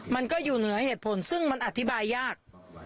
มันก็อยู่เหนือเหตุผลซึ่งมันอธิบายยาก